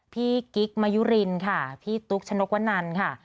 กิ๊กมะยุรินค่ะพี่ตุ๊กชนกวนันค่ะ